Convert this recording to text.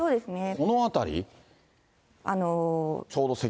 この辺り？